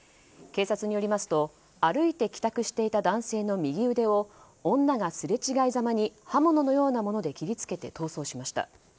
警察によりますと歩いて帰宅していた男性の右腕を女がすれ違いざまに刃物のようなもので切りつけて逃走しました。